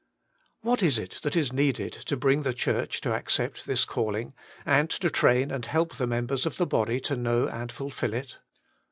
What is it that is needed to bring the Church to accept this calling, and to train and help the members of the body to know and fulfil it?